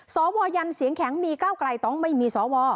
สวยันเสียงแข็งมีก้าวไกลต้องไม่มีสว